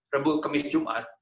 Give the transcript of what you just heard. rebu kemis jumat